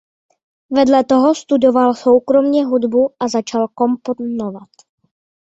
Vedle toho studoval soukromě hudbu a začal komponovat.